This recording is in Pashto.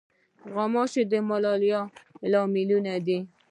غوماشې د ملاریا له لاملونو دي.